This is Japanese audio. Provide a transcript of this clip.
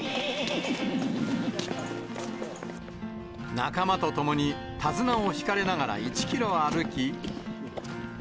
仲間と共に手綱を引かれながら１キロ歩き。